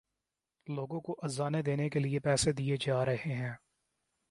لوگوں کو اذانیں دینے کے لیے پیسے دیے جا رہے ہیں۔